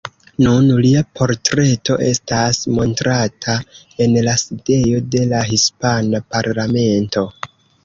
Nun lia portreto estas montrata en la sidejo de la hispana parlamento.